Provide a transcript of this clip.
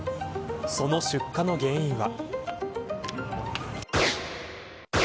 その出火の原因は。